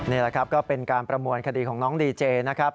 นี่แหละครับก็เป็นการประมวลคดีของน้องดีเจนะครับ